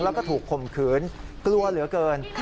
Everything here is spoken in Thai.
แล้วก็ถูกข่มขืนกลัวเหลือเกิน